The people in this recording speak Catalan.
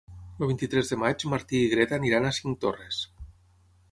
El vint-i-tres de maig en Martí i na Greta iran a Cinctorres.